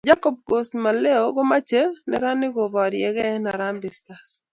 Jacob Ghost Muleeo komochee neranik koboriekei eng Harambee Stars.